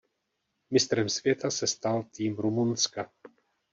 Mistrem světa se stal tým Rumunska.